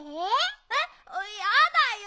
えっやだよ。